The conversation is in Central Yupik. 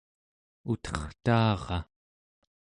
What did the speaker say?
utertaara